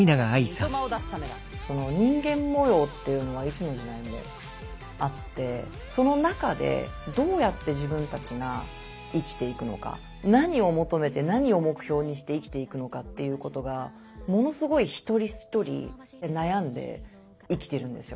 人間模様っていうのはいつの時代もあってその中で何を求めて何を目標にして生きていくのかっていうことがものすごい一人一人悩んで生きてるんですよ。